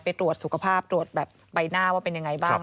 ไปตรวจสุขภาพตรวจแบบใบหน้าว่าเป็นยังไงบ้าง